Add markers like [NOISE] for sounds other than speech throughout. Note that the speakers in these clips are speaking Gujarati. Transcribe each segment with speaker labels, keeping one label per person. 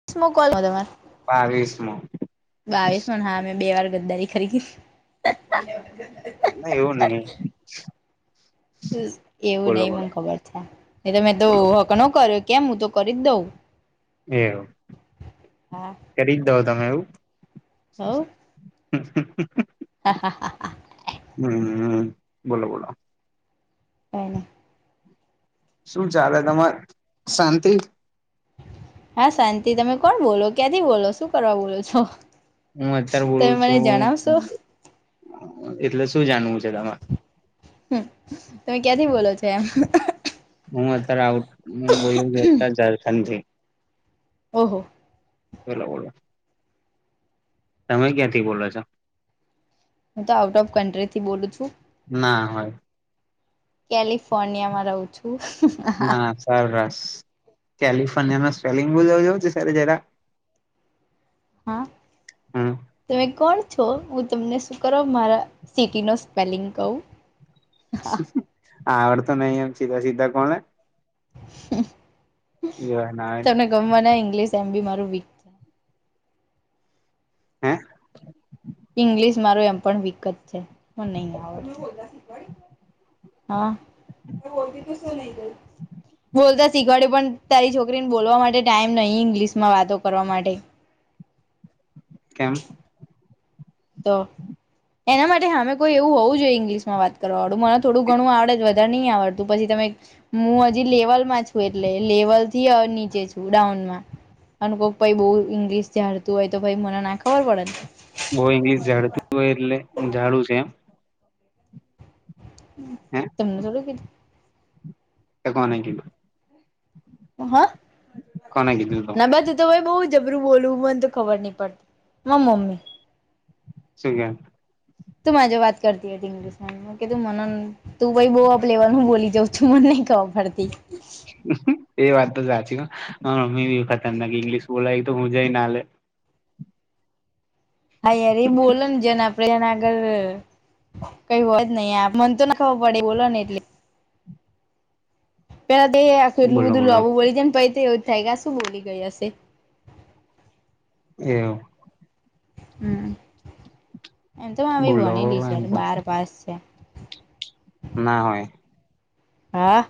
Speaker 1: [UNINTELLIGIBLE]
Speaker 2: બાવીસમો.
Speaker 1: બાવીસ મ હા મેં બે વાર ગદ્દારી કરી
Speaker 2: ના એવું નહી.
Speaker 1: એવું
Speaker 2: બોલો
Speaker 1: નહી
Speaker 2: બોલો
Speaker 1: મને ખબર છે તમે તો
Speaker 2: બોલો
Speaker 1: હક ન કર્યો કેમ હું તો કરી જ દઉં
Speaker 2: એવ
Speaker 1: હા
Speaker 2: કરી જ દો તમે એવું? હ.
Speaker 1: હા હાા
Speaker 2: હા હા બોલો
Speaker 1: એણે
Speaker 2: શું ચાલે તમારે શાંતી?
Speaker 1: હા, શાંતિ. તમે કોણ બોલો છો? ક્યાંથી બોલો? શુ કરવા બોલો?
Speaker 2: હું અત્યારે બોલુ
Speaker 1: તમે મને
Speaker 2: છું
Speaker 1: જણાવશો
Speaker 2: એટલે શું જાણવુ છે તમારે
Speaker 1: હા, તમે ક્યાંથી બોલો છો?
Speaker 2: હું અત્યારે ઝારખંડથી બોલું છું.
Speaker 1: ઓહો, સારું.
Speaker 2: એલા, બોલો. તમે ક્યાંથી બોલો છો?
Speaker 1: હું તો આઉટ ઓફ કન્ટ્રીથી બોલું છું.
Speaker 2: ના હોય.
Speaker 1: કેલિફોર્નિયામાં રહું છું.
Speaker 2: ના, સરસ. કેલિફોર્નિયાનું સ્પેલિંગ બોલશો? [UNINTELLIGIBLE]
Speaker 1: હા
Speaker 2: હમ
Speaker 1: તમે કોણ છો? હું તમને શુ કરવા મારા સીટીનો સ્પેલિંગ કહું?
Speaker 2: મને અંગ્રેજી સારી રીતે આવડતું નથી. એટલે કૃપા કરીને સીધી અને સરળ ભાષામાં વાત કરો.
Speaker 1: હા.
Speaker 2: બરાબર, પછી વાત કરીએ. આવજો.
Speaker 1: [UNINTELLIGIBLE] ઈંગ્લિશ એમ બી મારુ વિ
Speaker 2: હે?
Speaker 1: ઈંગ્લિશ મારુ એમ પણ વિકજ છે મને નઈ આવડતુ હા, બોલતા શીખવાડયુ પણ. તારી છોકરીને બોલવા માટે ટાઈમ નહી ઈંગ્લિશ માં વાતો કરવા માટે
Speaker 2: કેમ?
Speaker 1: તો એના માટે મને અંગ્રેજીમાં સારી રીતે વાત કરી શકે એવી વ્યક્તિ જોઈએ. મને અંગ્રેજી થોડું ઘણું આવડે છે, પણ વધારે નથી આવડતું. હું આજી લેવલમાં છું એટલે લેવલથી નીચે છું ડાઉન મા અને કોક ભાઈ બહુ અંગ્રેજી ઝાડતો હોય તો મને ના ખબર પડે ને.
Speaker 2: કોઈ ઈંગ્લિશ ઝાડતું હોય એટલે હું ઈંગ્લિશ ઝાડું છું એમ
Speaker 1: મેં
Speaker 2: હે
Speaker 1: તમને થોડું કિધુ
Speaker 2: તો કોને કિધુ
Speaker 1: હા,
Speaker 2: કોને કીધું તો
Speaker 1: બસ. તો બહુ જબરું બોલુ, મને તો ખબર નથી પડતી મારી મમ્મી.
Speaker 2: [UNINTELLIGIBLE]
Speaker 1: તું મારી જોડે વાત કરતી હતી ઈંગ્લિશ માં. [UNINTELLIGIBLE] તું બહુ અપ લેવલનું બોલી જાવ છો, મને નહીં ખબર પડતી.
Speaker 2: એ વાત તો સાચી મારી મમ્મી ખતરનાક ઇંગ્લિશ બોલે, એ તો હુંજ ના લેહ.
Speaker 1: હા, અરે બોલો [UNINTELLIGIBLE] આગળ શું કહેવું છે તે બોલો ને નહીં તો મને કંઈ સમજાતું નથી. પહેલા તો તમે એટલું બધું
Speaker 2: બોલો
Speaker 1: ઝડપથી બોલી
Speaker 2: બોલો
Speaker 1: ગયા કે પછી મને વિચાર આવતો રહ્યો કે તમે શું બોલી ગયા હશો.
Speaker 2: એવ
Speaker 1: હમ એમ તો હું
Speaker 2: બોલો
Speaker 1: ભણેલી છું,
Speaker 2: એમ કઉ
Speaker 1: બારમું પાસ છું.
Speaker 2: ના હોય
Speaker 1: હા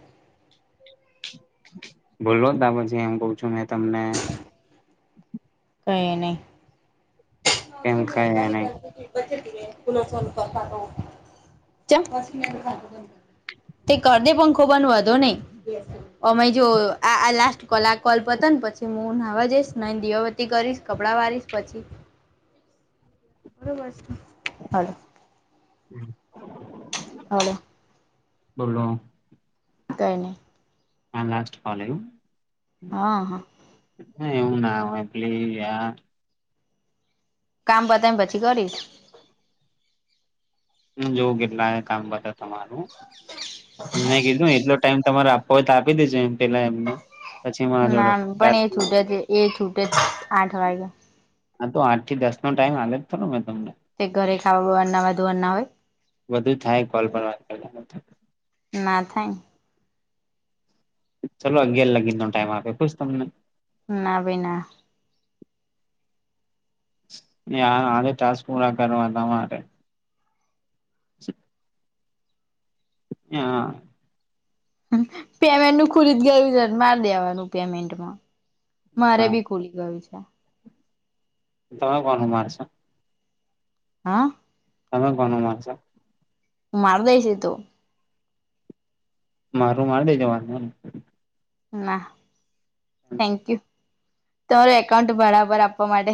Speaker 2: બોલો ને, પછી હું તમને કહું છું.
Speaker 1: કોઈ નહીં.
Speaker 2: એમ કઈ નહી
Speaker 1: [UNINTELLIGIBLE] તે કર દે પંખો બંધ વધો નહીં. અમે જો આ આ લાસ્ટ કોલ આ કોલ પતા ને પછી પછી હું ન નાહવા જઈશને દીવાબતી કરીશ, કપડાં વારીશ પછી બરોબ હાલ [INAUDIBLE]
Speaker 2: હમ [INAUDIBLE]
Speaker 1: હ [INAUDIBLE]
Speaker 2: બોલો.
Speaker 1: કંઇ નહી
Speaker 2: હા લાસ્ટ કોલ આવું.
Speaker 1: હા હા
Speaker 2: એવું ના હોય એટલી યાર.
Speaker 1: કામ પતાઇને પછી કરીશ.
Speaker 2: હ જોવું કેટલા કામ બધા તમારું મેં કીધું એટલો ટાઈમ તમારે હોય તો આપી દેજે એમ. પેલા એમને પછી મારી
Speaker 1: ના
Speaker 2: જોડે.
Speaker 1: પણ એ છૂટે છે એ છૂટે જ આઠ વાગે
Speaker 2: હા તો આઠ થી દસ નો ટાઈમ આવે જ થ મેં તમને
Speaker 1: તે ઘરે ખાવા નાવા ધોવાના હોય.
Speaker 2: વધુ થાય કોલ પણ વાત કરે ને તો.
Speaker 1: ના થાય ને.
Speaker 2: ચાલો અગિયાર લગીનો ટાઈમ આપ્યો ખુશ તમને.
Speaker 1: ના ભઈ ના.
Speaker 2: આજે ટાસ્ક પૂરા કરવાતા મારે. [INAUDIBLE] હા.
Speaker 1: પેમેન્ટ નું ખુલી જ ગયું છે મારી દેવાનું પેમેન્ટમાં મારે
Speaker 2: હા
Speaker 1: બી ફૂલી ગયુ છે.
Speaker 2: તમે કોણ હું મારેશ.
Speaker 1: હા.
Speaker 2: તમે કોને માનસો?
Speaker 1: મારદૈ છે તો.
Speaker 2: મારું માંડી જો વાંધો નઇ.
Speaker 1: ના, થેન્ક યુ તમારું એકાઉન્ટ બરાબર આપવા માટે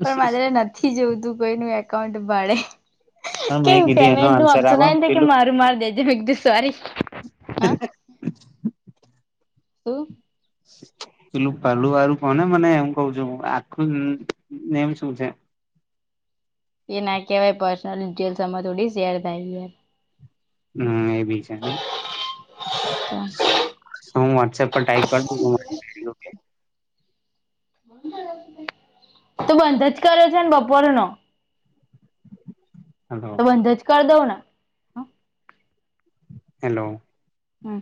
Speaker 1: પણ મા નથી નથી જોવતું કોઈનું એકાઉન્ટ ભાડે.
Speaker 2: પણ મેં
Speaker 1: કેમ
Speaker 2: કીધું એનો
Speaker 1: પેમેન્ટ નું
Speaker 2: આન્સર આપ
Speaker 1: ઓપસન આવીને તો કે
Speaker 2: પેલું
Speaker 1: મારું માર દેજે એકું સોરી.
Speaker 2: હા [UNINTELLIGIBLE]
Speaker 1: હ [UNINTELLIGIBLE]
Speaker 2: પેલું પાલુું કોને મને એમ કવ છું આખુંમ શું છે.
Speaker 1: એ ના કહેવાય પર્સનલ ડિટેલ્સ આમાં થોડી શેર થાય.
Speaker 2: હમ એ બી છે નઈ.
Speaker 1: હમ.
Speaker 2: હ, હું વોટ્સએપ પર ટાઈપ કર દું.
Speaker 1: તો બંધ જ કરે છેને, બપોરન તો
Speaker 2: હલો.
Speaker 1: બંધ જ કરી દઉં ને? હમ
Speaker 2: હલો.
Speaker 1: હમ.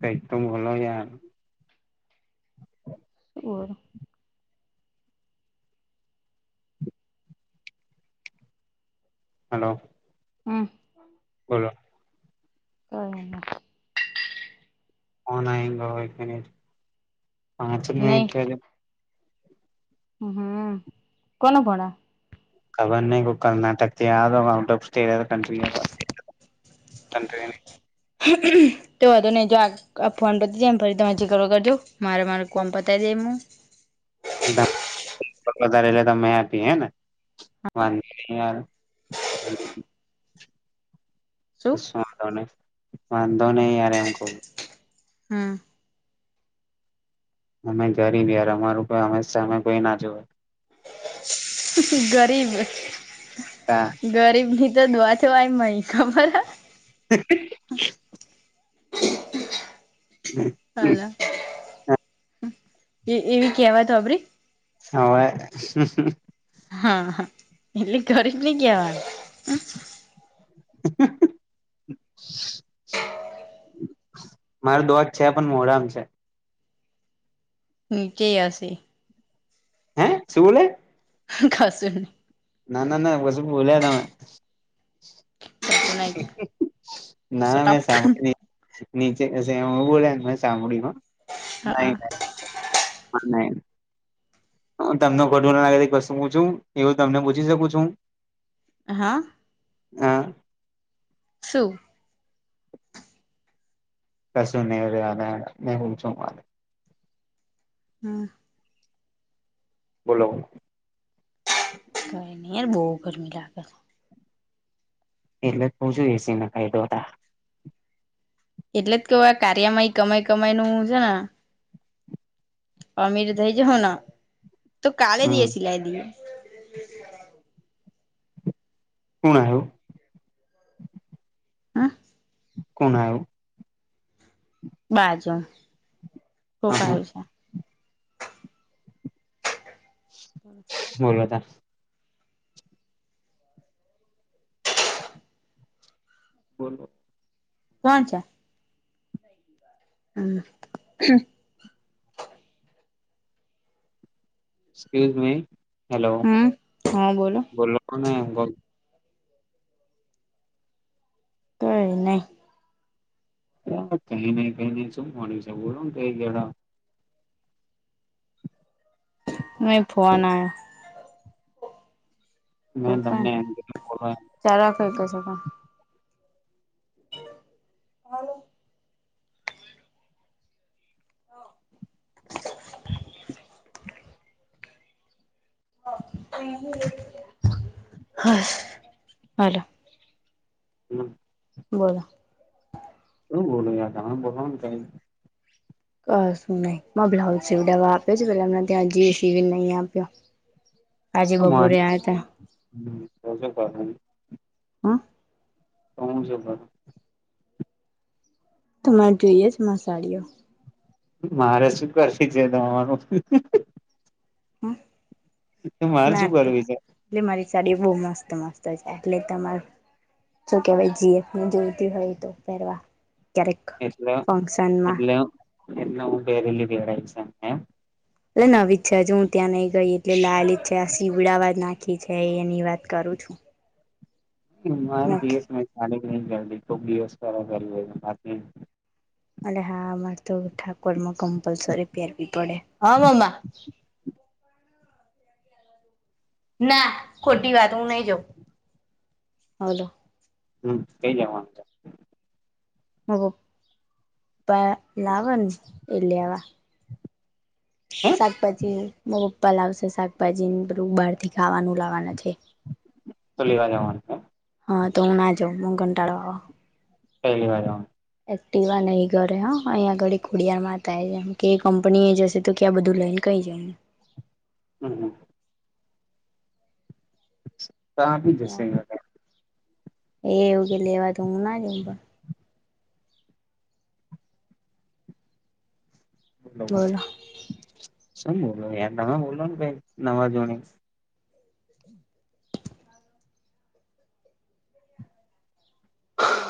Speaker 2: તો એકદમ, ભ
Speaker 1: ઓર?
Speaker 2: હલો.
Speaker 1: હમ્મ
Speaker 2: બોલો
Speaker 1: કોઈ
Speaker 2: ફન,
Speaker 1: નહી
Speaker 2: પા
Speaker 1: હમ, કોણ કોણા.
Speaker 2: ખબરને કર્ણાટક ટ ઓફ સ્ટેટ કન્ટ
Speaker 1: હમ્મ હ તો વધો નહીં જો આ ફોન પતી જાય એમ ફરીજીીકરો કરજો મારે મારો ફન પતાવી દે હું
Speaker 2: વધારે લ ત મેંતી હે ને વાંધ
Speaker 1: શું
Speaker 2: વાંધોને વાંધો નહી, આમ
Speaker 1: હા.
Speaker 2: અમે જરી ને યાર અમારું હંમેશામે કોઈ ના જોએ.
Speaker 1: ગરીબ
Speaker 2: હા
Speaker 1: ગરીબ ની તો દઆ છવાય મહી ખબર
Speaker 2: હ આ
Speaker 1: હલા એવી કેવાતો આપડે
Speaker 2: હવે.
Speaker 1: હા-હા એટલી કરી નને ક હ હ.
Speaker 2: [UNINTELLIGIBLE] મારો દોજ છે, પણ મોરામ છે.
Speaker 1: ચેયાશે
Speaker 2: હે, શું બોલે.
Speaker 1: ખાસુંને
Speaker 2: ના ના ના પછી બોલ્યા, તમે.
Speaker 1: કશું નહી
Speaker 2: ના ના
Speaker 1: સટાપ
Speaker 2: મેં સાંભળી નહી. નીચે, બો સામડીમાં નહી
Speaker 1: હા
Speaker 2: ન બ તમને ઘડો લે કું છુ, એવું તમને પૂછી શકું છું.
Speaker 1: હા.
Speaker 2: હા.
Speaker 1: શું
Speaker 2: કશું નવને હુ, છુ.
Speaker 1: હમ્મ
Speaker 2: બોલો
Speaker 1: કોઈ નહી, યાર બહુ ગરમી લાગે
Speaker 2: એટલે ત છું, એસી ના કાય દો હતા.
Speaker 1: એટલે જ કેવ આ કાર્યમાં કમાઈ કમાય નું છે, ને અમીર તો એજ હો, ના તો કાલે
Speaker 2: હમ
Speaker 1: દએ સિલાઈ દઈએ
Speaker 2: હણ, આવ્યો
Speaker 1: હા
Speaker 2: કોણ આવ.
Speaker 1: બાજુ કોઈક
Speaker 2: હ
Speaker 1: આયુ છે.
Speaker 2: હ.
Speaker 1: બ.
Speaker 2: બોલતા બોલો
Speaker 1: કોણ છે. હમ
Speaker 2: હેલો
Speaker 1: હમ હા
Speaker 2: બોલો.
Speaker 1: કઈ નઈ.
Speaker 2: હ કઈ નઈ કઈ નઈ શું મળ્યું છે. બોલો કઈ ગેળ
Speaker 1: મેં ફોન આયા
Speaker 2: મેં, ધમને એ બોલ હું
Speaker 1: ચરા ક ક છે. હલો [INAUDIBLE] હ હાલો
Speaker 2: હમ
Speaker 1: બોલો.
Speaker 2: શુ બોલો તમે બોલેને
Speaker 1: ક શું નહી બ્લાઉઝ સીવડાવવા આપ્યો છે. પેલામને ત્યાં અજી સીવી ને નહી આપ્યો. આજે બપોરે આયા તા
Speaker 2: [UNINTELLIGIBLE]
Speaker 1: હા.
Speaker 2: હમ સ પણ
Speaker 1: તમારે જોઈએ જ મા સાડીઓ.
Speaker 2: મારે શું કરશે છે. તમાનું
Speaker 1: હા.
Speaker 2: તું મારે શું કરવી છે.
Speaker 1: એટલે મારી સાડીઓ બહુ મસ્ત મસ્ત છે. એટલે તમાર શું કેહેવાય જીએફને જોઈતી હોય તો પહેરવા ક્યારેક ફંક્શનમાં.
Speaker 2: એને ઉ પેરેલીધે છે, એમ
Speaker 1: એટલે નવી જ છે, હજુ હું ત્યાં નહી ગઈ એટલે લાલ જ છે આ શીવડાવા નાખી છે એની વાત કરું છું.
Speaker 2: મારે જએ
Speaker 1: નક્કી
Speaker 2: ચાલી નહી કરતી કોક દિવસ કરી.
Speaker 1: અ હા અમારે તો ઠાકોર માં કમ્પલસરી પહેરવી પડે. હ મમા. ના ખોટી વાત હું નહી જાઉં. હાલો
Speaker 2: હમ કઈ જવાનું તો
Speaker 1: મ પ લાવન એ લેવા.
Speaker 2: હે
Speaker 1: શાકભાજી પપ્પા લાવશે. શાકભાજીને બલું બહાર થી ખાવાનું લાવવાના છે.
Speaker 2: શું લેવા જવાના.
Speaker 1: હ, તો હું ના જાઉં મન કંટાળો આવ
Speaker 2: પહેલી વાર હ
Speaker 1: એક્ટિવા નહીં ઘરે હ અહીયાંયા ઘળ ખુડયાર મામ કે કંપની એ જશે તો ક્યાં બધું લઈને કઈ જઈ
Speaker 2: હમ. ગામ જશે
Speaker 1: એ એવું કે લેવા દઉ ના જ પણ બોલો
Speaker 2: શું બોલોલો યાર નવા બોલો ને ભાઈ નવાજણી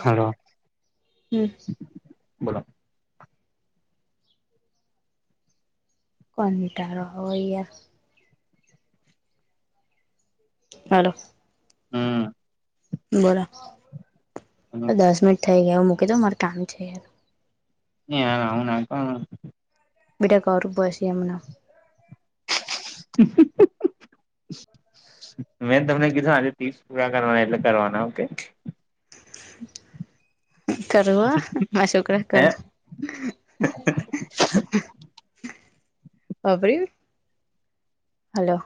Speaker 2: હલો
Speaker 1: હમ
Speaker 2: બોલો.
Speaker 1: કંટાળો આવે યા હાલો
Speaker 2: હમ્મ
Speaker 1: બોરા
Speaker 2: હમ.
Speaker 1: દસ મિનિટ થઇ ગયા એવું મૂકી દઉ માર કામ છે. યાર
Speaker 2: એના
Speaker 1: બીટા કર બસી એમના
Speaker 2: [INAUDIBLE] મેં તમને કીધું આજે તી પૂરા કરવાના એટલે કરવાના ઓકે
Speaker 1: કરું હ છોકરા કરું
Speaker 2: [INAUDIBLE]
Speaker 1: હા બાઈ, હલો.